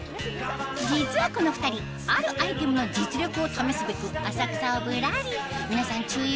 実はこの２人あるアイテムの実力を試すべく浅草をぶらり皆さん注意